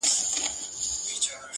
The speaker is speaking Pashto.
نه یې مینه سوای له زړه څخه شړلای،